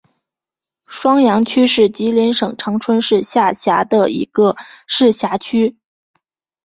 双阳区是吉林省长春市下辖的一个市辖区。